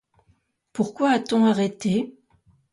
Pourquoi a-t-on arrêté?